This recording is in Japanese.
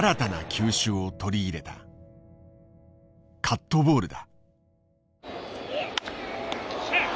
カットボールだ。